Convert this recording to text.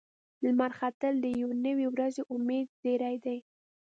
لمر ختل د یوې نوې ورځې او امید زیری دی.